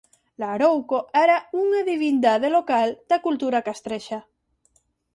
Larouco era unha divindade local da cultura castrexa.